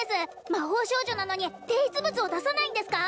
魔法少女なのに提出物を出さないんですか？